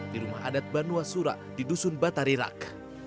di rumah adat banu asura di dusun batarirak